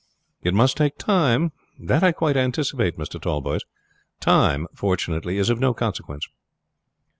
"It must take time, that I quite anticipate, Mr. Tallboys. Time, fortunately, is of no consequence."